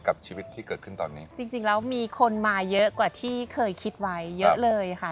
กับชีวิตที่เกิดขึ้นตอนนี้จริงจริงแล้วมีคนมาเยอะกว่าที่เคยคิดไว้เยอะเลยค่ะ